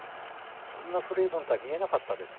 そんな古いものとは見えなかったですけどね。